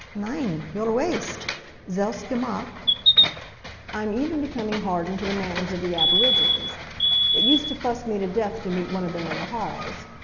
"Nein; your waist. Selbst gemacht?" I am even becoming hardened to the manners of the aborigines. It used to fuss me to death to meet one of them in the halls.